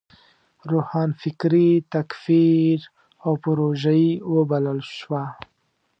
روښانفکري تکفیر او پروژيي وبلل شوه.